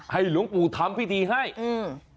หลวงปู่ทำพิธีให้อืม